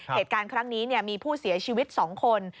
เหตุการณ์ครั้งนี้มีผู้เสียชีวิต๒คน